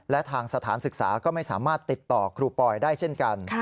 และทางสถานศึกษาก็ไม่สามารถติดต่อครูปอยได้เช่นกัน